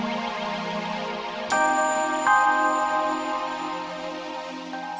tapi saya tidak ingin dapat creek legu